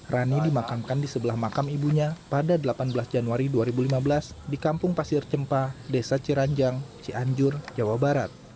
rani dimakamkan di sebelah makam ibunya pada delapan belas januari dua ribu lima belas di kampung pasir cempa desa ciranjang cianjur jawa barat